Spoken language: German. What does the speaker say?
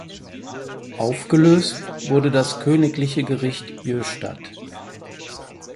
Aufgelöst wurde das Königliche Gericht Jöhstadt.